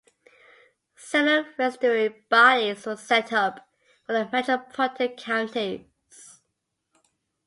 Similar residuary bodies were set up for the metropolitan counties.